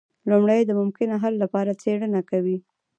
لومړی د ممکنه حل لپاره څیړنه کوي.